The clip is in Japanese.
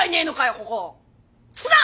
ここ。